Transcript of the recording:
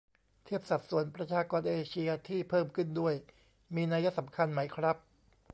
เทียบสัดส่วนประชากรเอเชียที่เพิ่มขึ้นด้วย มีนัยสำคัญไหมครับ ?